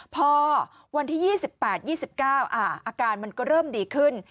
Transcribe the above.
พอวันที่๒๘๒๙อาการมันก็เริ่มดีขึ้น